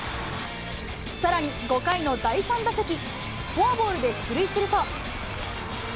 さらに、５回の第３打席、フォアボールで出塁すると。